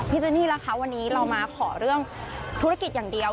เจนี่ล่ะคะวันนี้เรามาขอเรื่องธุรกิจอย่างเดียว